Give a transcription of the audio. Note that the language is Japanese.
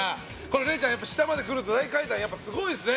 れいちゃん、下まで来ると大階段やっぱりすごいですね。